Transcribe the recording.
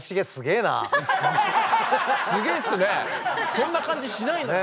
そんな感じしないのに。